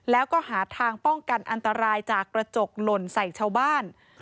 แล้วก็หาทางป้องกันอันตรายจากกระจกหล่นใส่ชาวบ้าน